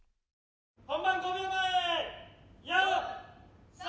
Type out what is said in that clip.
本番５秒前４３。